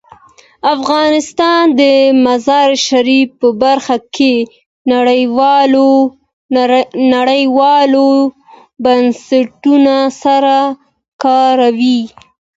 افغانستان د مزارشریف په برخه کې نړیوالو بنسټونو سره کار کوي.